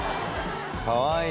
かわいい。